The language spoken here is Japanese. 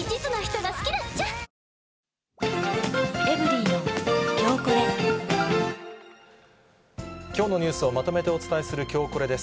以上、きょうのニュースをまとめてお伝えするきょうコレです。